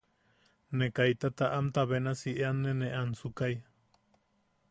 Ne kaita taʼamta benasi eanne ne ansukai.